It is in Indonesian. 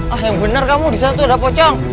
ah yang benar kamu di sana tuh ada pocong